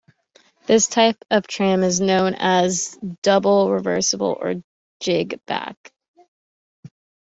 This type of tram is known as a double-reversible or "jig-back".